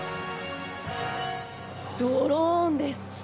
ドローンです。